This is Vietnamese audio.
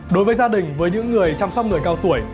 đối với gia đình với những người chăm sóc người cao tuổi